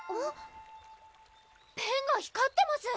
ペンが光ってます！